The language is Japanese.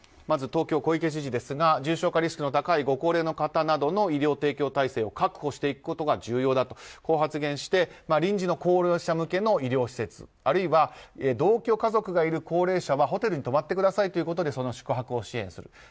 まず小池都知事ですが重症化リスクの高いご高齢の方などの医療提供体制を確保していくことが重要だと発言して臨時の高齢者向けの医療施設あるいは同居家族がいる高齢者はホテルに泊まってくださいということでその宿泊を支援する